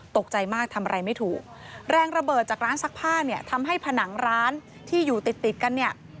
ตกใจมากทำอะไรไม่ถูกแรงระเบิดจากร้านซักผ้าเนี่ยทำให้ผนังร้านที่อยู่ติดติดกันเนี่ย